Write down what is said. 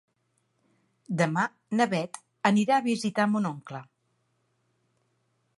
Demà na Beth anirà a visitar mon oncle.